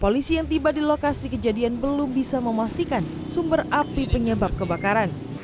polisi yang tiba di lokasi kejadian belum bisa memastikan sumber api penyebab kebakaran